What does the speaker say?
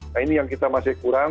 nah ini yang kita masih kurang